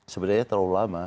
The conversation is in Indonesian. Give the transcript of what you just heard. sebenarnya terlalu lama